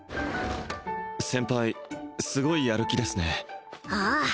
先輩すごいやる気ですねああ！